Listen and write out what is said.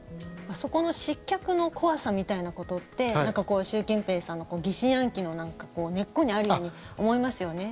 そこの失脚の怖さみたいなことって習近平さんの疑心暗鬼の根っこにあるように思いますよね。